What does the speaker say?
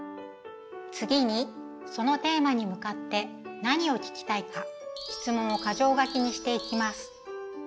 次にそのテーマに向かって何を聞きたいか質問を個条書きにしていきます。